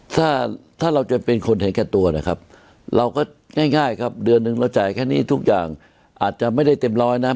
ถ้าถ้าเราจะเป็นคนเห็นแก่ตัวนะครับเราก็ง่ายครับเดือนหนึ่งเราจ่ายแค่นี้ทุกอย่างอาจจะไม่ได้เต็มร้อยนะ